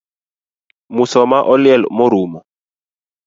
Musoma oliel morumo